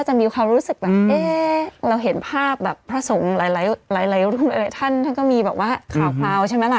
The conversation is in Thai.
จะมีความรู้สึกแบบเอ๊ะเราเห็นภาพแบบพระสงฆ์หลายรูปหลายท่านท่านก็มีแบบว่าข่าวคราวใช่ไหมล่ะ